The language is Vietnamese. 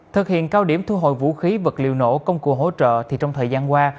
thực hiện cao điểm thu hồi vũ khí vật liệu nổ công cụ hỗ trợ thì trong thời gian qua